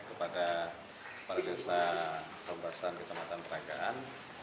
kepada kepala desa rombasan kecamatan peragaan